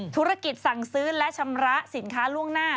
ธุรกิจสั่งซื้อและชำระสินค้าล่วงหน้า